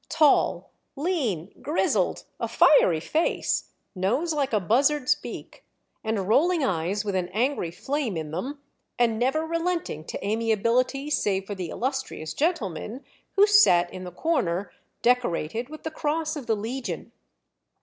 Tall, lean, grizzled, a fiery face, nose like a buz zard's beak, and rolling eyes with an angry flame in them, and never relenting to amiability save for the illustrious gentleman who sat in the corner, decorated with the Cross of the Legion.